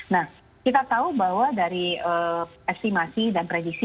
nah kita tahu bahwa dari estimasi dan prediksi